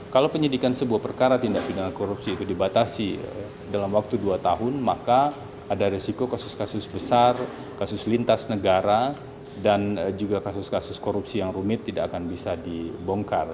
kalau penyidikan sebuah perkara tindak pindahan korupsi itu dibatasi dalam waktu dua tahun maka ada resiko kasus kasus besar kasus lintas negara dan juga kasus kasus korupsi yang rumit tidak akan bisa dibongkar